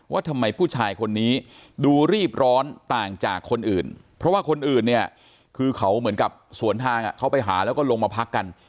ว่าทำไมผู้ชายคนนี้ดูรีบร้อนต่างจากคนอื่นเพราะว่าคนอื่นเนี่ยคือเขาเหมือนกับสวนทางเขาไปหาแล้วก็ลงมาพักกัน